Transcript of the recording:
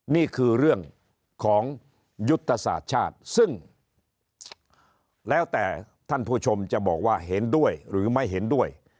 นี่คือเรื่องของยุทธศาสตร์ชาติซึ่งแล้วแต่ท่านผู้ชมจะบอกว่าเห็นด้วยหรือไม่เห็นด้วย